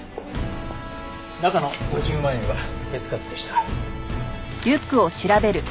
中の５０万円は手つかずでした。